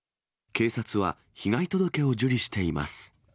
警察は、被害届を受理しています。